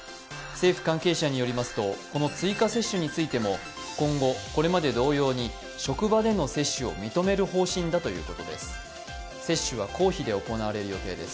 政府関係者によりますと、この追加接種についても今後、これまで同様に職場での接種を認める方針だということです。